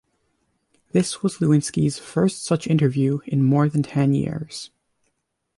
This was Lewinsky's first such interview in more than ten years.